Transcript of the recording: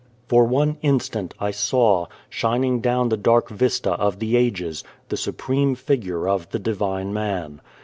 For one instant, I saw, shining down the dark vista of the ages, the supreme figure of the Divine Man.